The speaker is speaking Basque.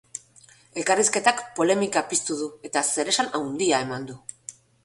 Elkarrizketak polemika piztu du eta zeresan handia eman du.